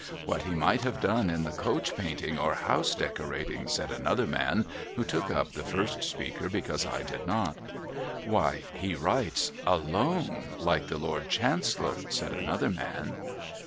' What he might have done in the coach painting, or house decorating !' said another man, who took up the first speaker because I did not. '' Why, he writes ■— alone — like the Lord Chancellor !' said another man.